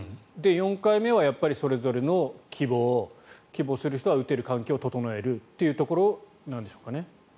４回目はそれぞれの希望希望する人は打てる環境を整えるということなんでしょうかね。